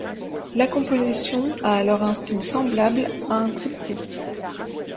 La composition a alors un style semblable à un triptyque.